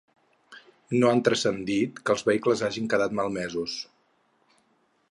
No han transcendit que els vehicles hagin quedat malmesos.